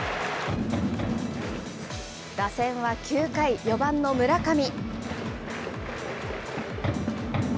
打線は９回、４番の村上。